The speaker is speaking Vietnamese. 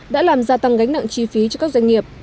đã làm gia tăng gánh nặng chi phí cho các doanh nghiệp